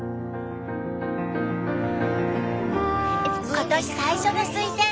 今年最初のスイセン。